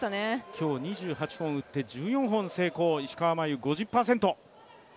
今日２８本打って１４本成功、石川真佑５０％。